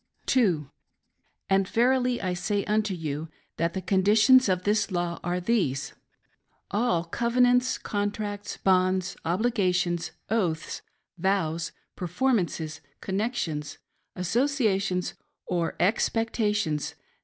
2. And verily I say unto you, that the conditions of this law are these : All Covenants, contracts, bonds, obligations, oaths, vows, performances, coimections, associations, 6r expectations!